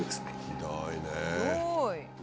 ひどい。